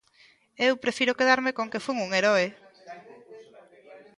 Eu prefiro quedarme con que fun un heroe.